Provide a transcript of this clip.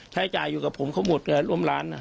ใช้จ่ายอยู่กับผมเขาหมดร่วมล้าน